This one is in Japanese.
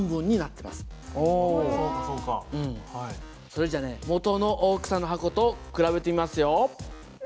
それじゃあね元の大きさの箱と比べてみますよ。